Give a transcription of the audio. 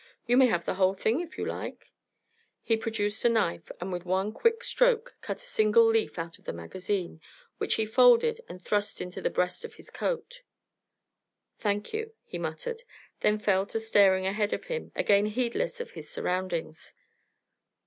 "You may have the whole thing if you like." He produced a knife, and with one quick stroke cut a single leaf out of the magazine, which he folded and thrust into the breast of his coat. "Thank you," he muttered; then fell to staring ahead of him, again heedless of his surroundings.